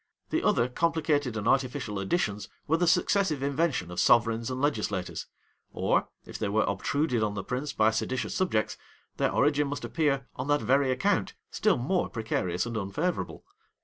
The other complicated and artificial additions were the successive invention of sovereigns and legislators; or, if they were obtruded on the prince by seditious subjects, their origin must appear, on that very account, still more precarious and unfavorable.